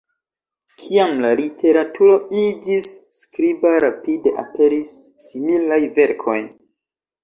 Kiam la literaturo iĝis skriba, rapide aperis similaj verkoj.